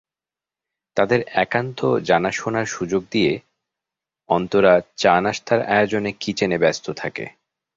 তাঁদের একান্ত জানাশোনার সুযোগ দিয়ে অন্তরা চা-নাশতার আয়োজনে কিচেনে ব্যস্ত থাকে।